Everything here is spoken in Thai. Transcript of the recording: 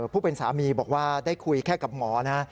ผู้เป็นสามีบอกว่าได้คุยแค่กับหมอนะ